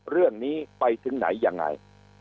เรื่องนี้ไปถึงไหนยังไง